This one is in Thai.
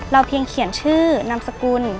เพียงเขียนชื่อนามสกุล